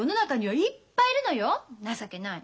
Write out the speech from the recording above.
情けない。